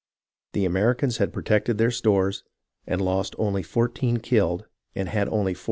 The Americans had protected their stores, and lost only 14 killed and had only 42 wounded.